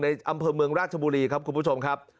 อำเภอเมืองราชบุรีครับคุณผู้ชมครับ